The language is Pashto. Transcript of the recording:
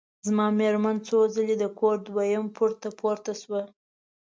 زما مېرمن څو ځلي د کور دویم پوړ ته پورته شوه.